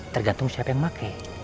tergantung siapa yang memakai